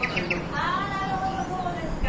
あー、なるほど、そうですか。